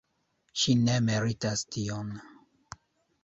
Ŝi ne meritas tion.